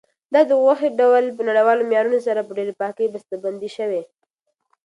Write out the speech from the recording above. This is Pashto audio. دا د غوښې ډول په نړیوالو معیارونو سره په ډېرې پاکۍ بسته بندي شوی.